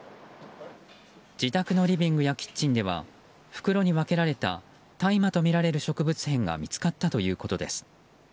自宅のリビングやキッチンでは袋に分けられた大麻とみられる植物片が見つかったということです。